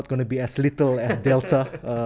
tidak akan menjadi sedikit seperti delta